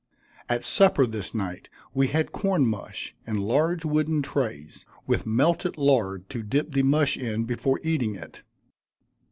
At supper this night, we had corn mush, in large wooden trays, with melted lard to dip the mush in before eating it.